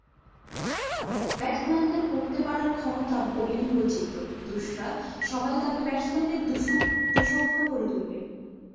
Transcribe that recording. ব্যাটসম্যানদের পড়তে পারার ক্ষমতা, বোলিং বৈচিত্র্য, দুসরা—সবই তাঁকে ব্যাটসম্যানদের দুঃস্বপ্ন করে তুলবে।